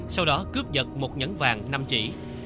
sau đó cướp giật một nhẫn vàng năm chỉ